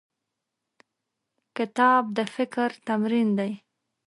کتاب د فکر تمرین دی.